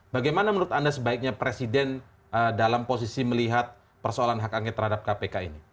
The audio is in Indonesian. bagaimana menurut anda sebaiknya presiden dalam posisi melihat persoalan hak angket terhadap kpk ini